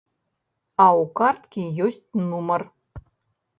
А ў карткі ёсць нумар.